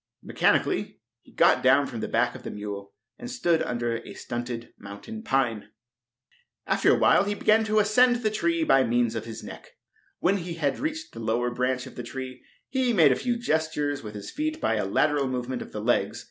Mechanically he got down from the back of the mule and stood under a stunted mountain pine. After awhile he began to ascend the tree by means of his neck. When he had reached the lower branch of the tree he made a few gestures with his feet by a lateral movement of the legs.